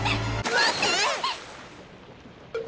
待って！